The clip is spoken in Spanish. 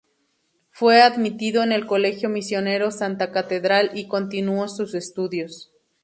Fue admitido en el Colegio Misionero Santa Catedral y continuó sus estudios.